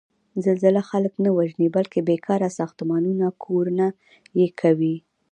زلزله خلک نه وژني، بلکې بېکاره ساختمانونه کورنه یې کوي.